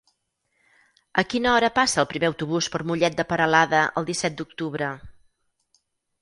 A quina hora passa el primer autobús per Mollet de Peralada el disset d'octubre?